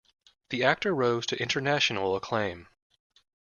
The actor rose to international acclaim.